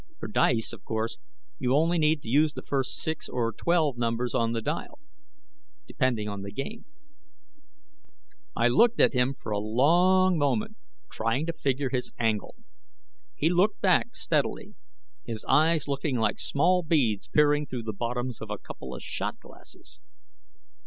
For dice, of course, you only need to use the first six or twelve numbers on the dial, depending on the game." I looked at him for a long moment, trying to figure his angle. He looked back steadily, his eyes looking like small beads peering through the bottoms of a couple of shot glasses.